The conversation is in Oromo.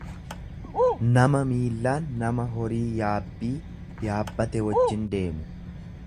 nama miillaan nama horii yaabbii yaabbate wajjin deemu.